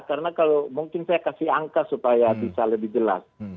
karena kalau mungkin saya kasih angka supaya bisa lebih jelas